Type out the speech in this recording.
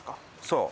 そう。